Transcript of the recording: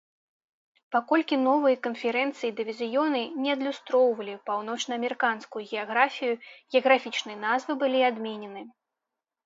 Паколькі новыя канферэнцыі і дывізіёны не адлюстроўвалі паўночнаамерыканскую геаграфію, геаграфічныя назвы былі адменены.